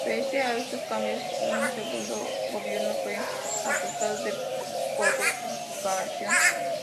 Pese a estos cambios, su segundo gobierno fue acusado de corrupción y evasión.